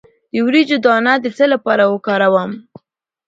د وریجو دانه د څه لپاره وکاروم؟